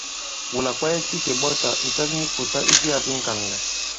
Wula kwaye ki kèɓɔtà, ǹtɛk mu kùta i jiyā di ŋ̀kànlɛ̀.